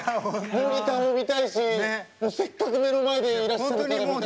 モニターも見たいしせっかく目の前でいらっしゃるから見たいし。